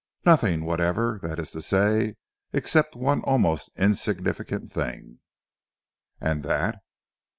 Nothing whatever, that is to say, except one almost insignificant thing." "And that?"